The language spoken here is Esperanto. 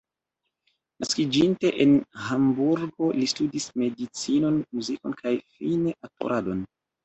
Naskiĝinte en Hamburgo, li studis medicinon, muzikon kaj fine aktoradon.